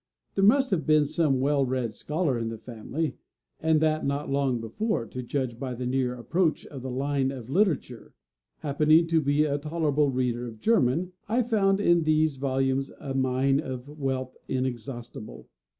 There must have been some well read scholar in the family, and that not long before, to judge by the near approach of the line of this literature; happening to be a tolerable reader of German, I found in these volumes a mine of wealth inexhaustible.